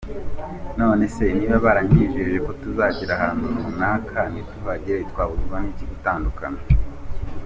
None se niba baranyijeje ko tuzagera ahantu runaka ntituhagere, twabuzwa n’iki gutandukana?".